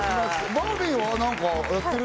バービーは何かやってる？